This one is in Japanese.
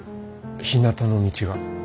ひなたの道が。